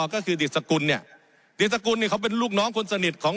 ก็คือดิตสกุลเนี่ยดิตสกุลเนี่ยเขาเป็นลูกน้องคนสนิทของ